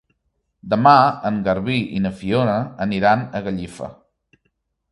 Demà en Garbí i na Fiona aniran a Gallifa.